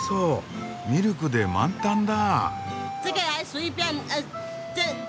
ミルクで満タンだ。